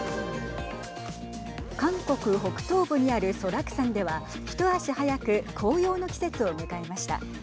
韓国北東部にあるソラク山では一足早く紅葉の季節を迎えました。